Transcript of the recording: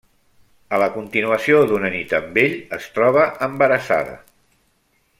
A la continuació d'una nit amb ell, es troba embarassada.